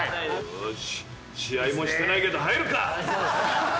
よし試合もしてないけど入るか！